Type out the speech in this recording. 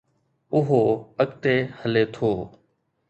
اهو اڳتي هلي ٿو.